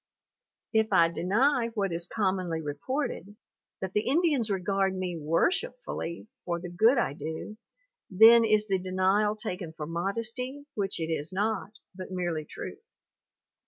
If I deny what is commonly reported, that the Indians regard me worshipfully for the good I do, then is the denial taken for modesty which it is not, but merely truth.